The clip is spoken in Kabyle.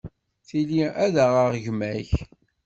Tili ad aɣeɣ gma-k.